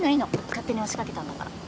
勝手に押しかけたんだから。